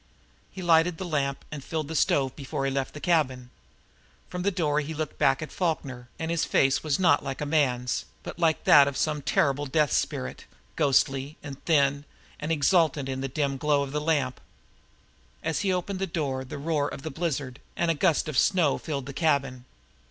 He lighted the lamp and filled the stove before he left the cabin. From the door he looked back at Falkner, and his face was not like a man's, but like that of some terrible death spirit, ghostly, and thin, and exultant in the dim glow of the lamp. As he opened the door the roar of the blizzard and a gust of snow filled the cabin.